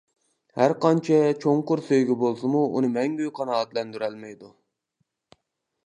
ھەرقانچە چوڭقۇر سۆيگۈ بولسىمۇ ئۇنى مەڭگۈ قانائەتلەندۈرەلمەيدۇ.